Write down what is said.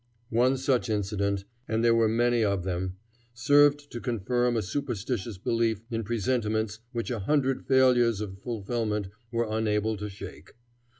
One such incident and there were many of them served to confirm a superstitious belief in presentiments which a hundred failures of fulfillment were unable to shake.